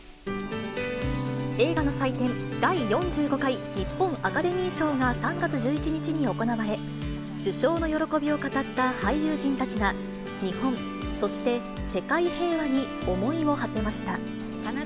映画の祭典、第４５回日本アカデミー賞が３月１１日に行われ、受賞の喜びを語った俳優陣たちが、日本、そして世界平和に思いをはせました。